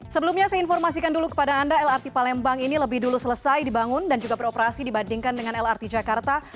sebelumnya saya informasikan dulu kepada anda lrt palembang ini lebih dulu selesai dibangun dan juga beroperasi dibandingkan dengan lrt jakarta